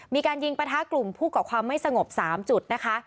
มีการยิงประทะกลุ่มผู้ก่อความไม่สงบ๓จุดนะคะ